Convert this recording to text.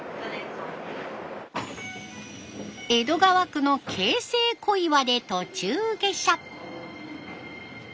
江戸川区の京成小岩で途中下車。